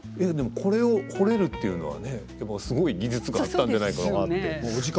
これを彫れるというのですごい技術があったんじゃないかと。